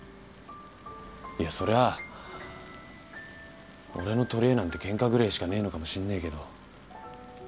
いやそりゃあ俺の取りえなんてケンカぐれえしかねえのかもしんねえけど。